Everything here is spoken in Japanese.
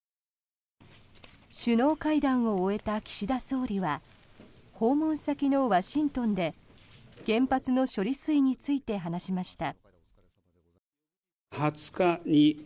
首脳会談を終えた岸田総理は訪問先のワシントンで原発の処理水について話しました。